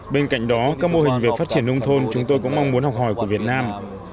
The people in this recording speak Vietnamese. bên cạnh đó các mô hình về phát triển nông thôn chúng tôi cũng mong muốn học hỏi của việt nam